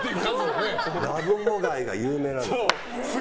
ラブホ街が有名なんです。